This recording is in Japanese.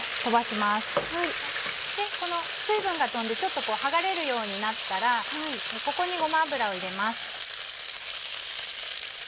この水分が飛んでちょっと剥がれるようになったらここにごま油を入れます。